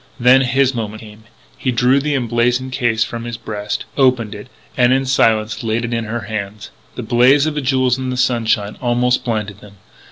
Then his moment came: he drew the emblazoned case from his breast, opened it, and, in silence, laid it in her hands. The blaze of the jewels in the sunshine almost blinded them.